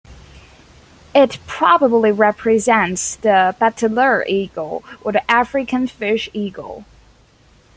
It probably represents the bateleur eagle or the African fish eagle.